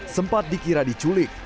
sempat dikira diculik